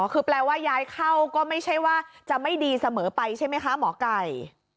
คือแปลว่าย้ายเข้าก็ไม่ใช่ว่าจะไม่ดีเสมอไปใช่ไหมคะหมอไก่